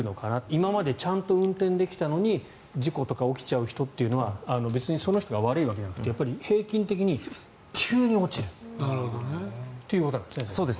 今までちゃんと運転できたのに事故とか起きちゃう人は別にその人が悪いわけじゃなくて平均的に急に落ちるということなんですね。